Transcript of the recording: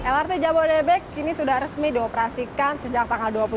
lrt jabodebek kini sudah resmi dioperasikan sejak tanggal dua puluh tiga